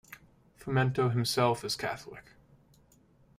Fumento himself is Catholic.